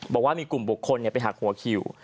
บอกว่ามีกลุ่มบุคคลไปหักหัวคิว